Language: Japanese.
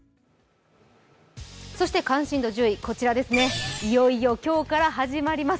そして関心度１０位、いよいよ今日から始まります。